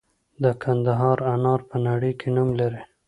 د کندهار انار په نړۍ کې نوم لري.